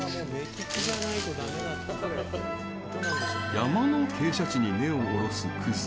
山の傾斜地に根をおろす葛。